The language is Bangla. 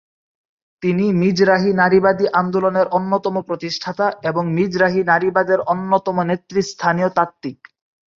তিনি মিজরাহি নারীবাদী আন্দোলনের অন্যতম প্রতিষ্ঠাতা, এবং মিজরাহি নারীবাদের অন্যতম নেতৃস্থানীয় তাত্ত্বিক।